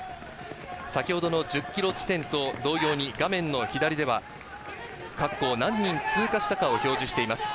先ほどの１０ｋｍ地点と同様に画面の左では各校、何人通過したかを表示しています。